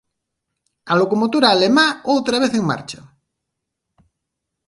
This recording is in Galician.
A locomotora alemá, outra vez en marcha